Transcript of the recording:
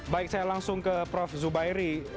baik saya langsung ke prof zubairi